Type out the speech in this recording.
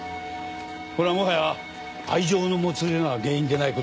これはもはや愛情のもつれが原因でない事だけは確かですね。